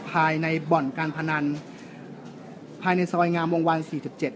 ภายในบ่อนการพนันภายในซอยงามวงวันสี่สิบเจ็ด